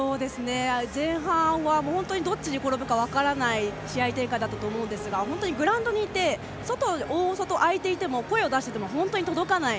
前半は本当にどっちに転ぶか分からない試合展開だったと思いますが本当にグラウンドにいて外、大外が空いていても声を出していても届かない。